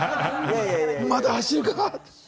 まだ走るかって。